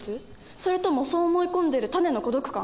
それともそう思い込んでいるタネの孤独感？